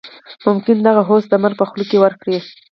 ممکن دغه هوس د مرګ په خوله کې ورکړي.